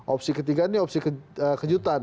opsi ketiga ini opsi kejutan